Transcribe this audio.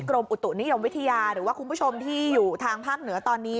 อุตุนิยมวิทยาหรือว่าคุณผู้ชมที่อยู่ทางภาคเหนือตอนนี้